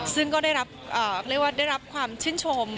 ซึ่งก็ได้รับเรียกว่าได้รับความชื่นชม